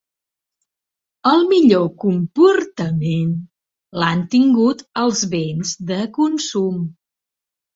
El millor comportament l’han tingut els béns de consum.